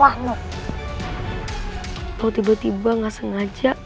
jadi gini ya kalau tiba tiba nggak sengaja